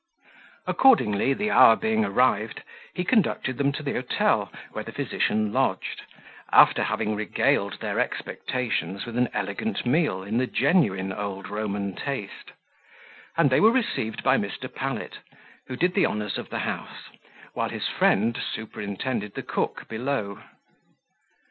Accordingly, the hour being arrived, he conducted them to the hotel where the physician lodged, after having regaled their expectations with an elegant meal in the genuine old Roman taste; and they were received by Mr. Pallet, who did the honours of the house, while his friend superintended the cook below.